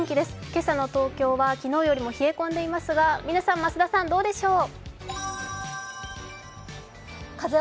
今朝の東京は昨日よりも冷え込んでいますが嶺さん、増田さん、どうでしょう。